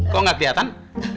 kok gak keliatan